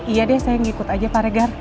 iya deh saya ngikut aja pak regar